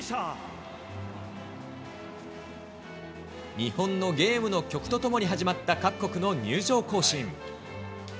日本のゲームの曲とともに始まった各国の入場行進。